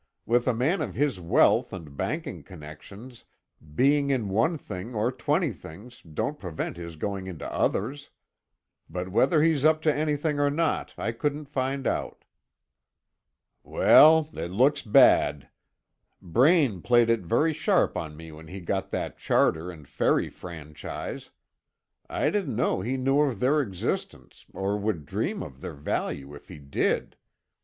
With a man of his wealth and banking connections, being in one thing or twenty things, don't prevent his going into others. But whether he's up to anything or not, I couldn't find out." "Well, it looks bad. Braine played it very sharp on me when he got that charter and ferry franchise. I didn't know he knew of their existence, or would dream of their value if he did.